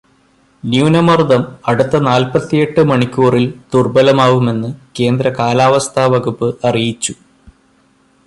ന്യൂനമര്ദം അടുത്ത നാല്പത്തിയെട്ടു മണിക്കൂറില് ദുര്ബലമാവുമെന്ന് കേന്ദ്ര കാലാവസ്ഥ വകുപ്പ് അറിയിച്ചു.